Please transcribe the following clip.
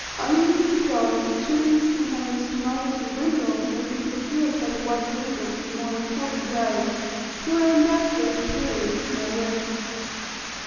Onions and garlic, chilies, cucumbers, tomatoes, and brinjalls, may be procured by the white visitor from the more important Arabs, who are undoubted epicureans in their way.